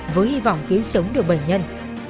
với hy vọng cứu sống được bệnh nhân